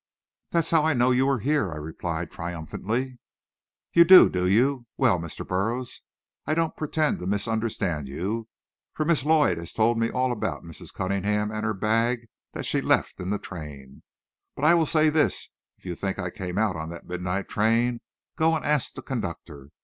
"That's how I know you were here," I replied triumphantly. "You do, do you? Well, Mr. Burroughs, I don't pretend to misunderstand you for Miss Lloyd has told me all about Mrs. Cunningham and her bag that she left in the train. But I will say this if you think I came out on that midnight train, go and ask the conductor.